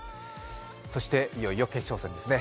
そしていよいよ決勝戦ですね。